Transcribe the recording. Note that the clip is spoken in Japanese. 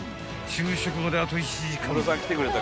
昼食まであと１時間］